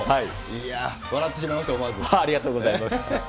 いやー、笑ってしまいました、ありがとうございます。